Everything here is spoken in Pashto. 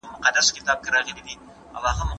په ټولنه کي فني مهارتونه او انرژي ډېره سوي ده.